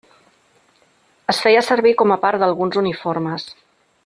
Es feia servir com a part d'alguns uniformes.